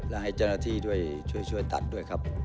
และให้เจ้าหน้าที่ด้วยช่วยตัดด้วยครับ